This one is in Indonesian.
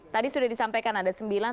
tadi sudah disampaikan ada sembilan